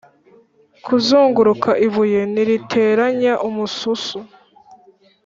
kuzunguruka ibuye ntiriteranya umususu